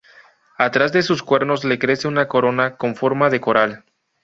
Atrás de sus cuernos le crece una corona con forma de coral.